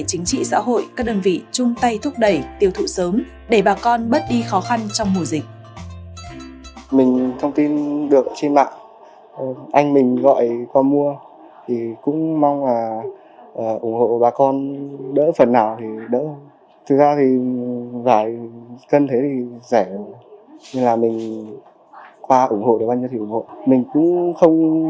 chính trị xã hội các đơn vị trung tay thúc đẩy tiêu thụ sớm để bà con bớt đi khó khăn trong mùa dịch